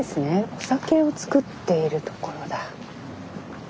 お酒を造っている所だ。